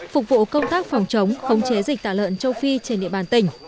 phục vụ công tác phòng chống khống chế dịch tả lợn châu phi trên địa bàn tỉnh